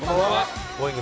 Ｇｏｉｎｇ！